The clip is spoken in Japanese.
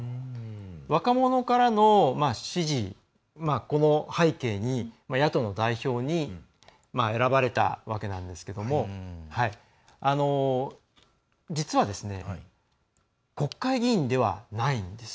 若者からの支持、この背景に野党の代表に選ばれたわけなんですけれども実は、国会議員ではないんです。